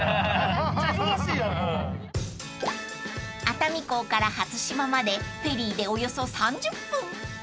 ［熱海港から初島までフェリーでおよそ３０分］